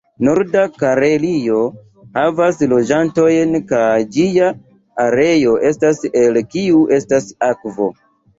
Norda Karelio havas loĝantojn kaj ĝia areo estas el kiu estas akvo.